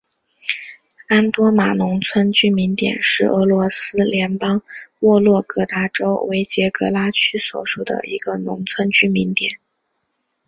安多马农村居民点是俄罗斯联邦沃洛格达州维捷格拉区所属的一个农村居民点。